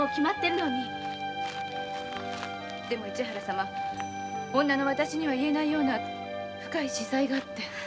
でも市原様女のわたしに言えないような深い訳があって。